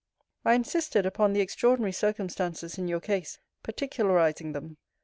I insisted upon the extraordinary circumstances in your case; particularizing them.